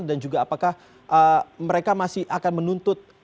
dan juga apakah mereka masih akan menuntut